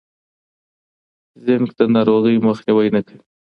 زینک د ناروغۍ مخنیوی نه کوي.